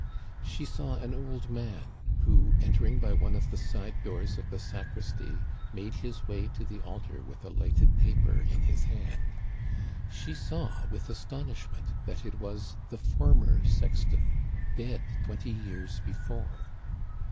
" She saw an old man, who, entering by one of the side doors of the sacristy, made his way to the altar with a lighted taper in his hand. She saw with astonish ment that it was the former sexton, dead twenty years before.